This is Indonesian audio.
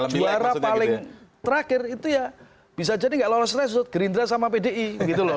juara paling terakhir itu ya bisa jadi nggak lolos treasurt gerindra sama pdi gitu loh